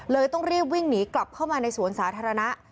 ต้องรีบวิ่งหนีกลับเข้ามาในสวนสาธารณะ